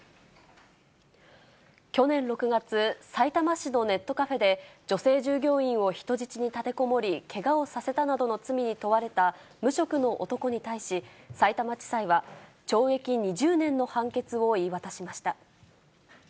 去年６月、さいたま市のネットカフェで、女性従業員を人質に立てこもり、けがをさせたなどの罪に問われた無職の男に対し、さいたま地裁は、懲役２０年の判決を言い渡しました。